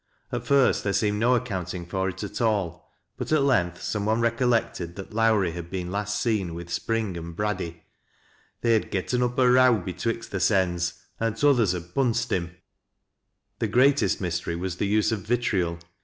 At first tliere aeemed no accounting for it at all, but at length some one recollected that Lowrie had been last seen with Spring and Briiddy. They had " getten up a row betwixt their sens, and t'others had punsed him." 204 THAT LASS y LOWRISTS. The greatest mystery was the use of vitriol.